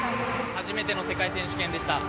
初めての世界選手権でした。